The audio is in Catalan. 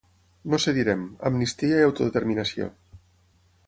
No cedirem: amnistia i autodeterminació!